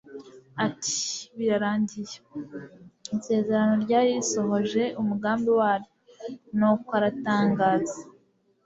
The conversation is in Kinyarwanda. ati :« Birarangiye. » Isezerano ryari risohoje umugambi waryo. Nuko aratangaza